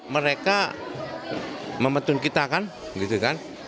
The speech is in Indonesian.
mereka membantu kita kan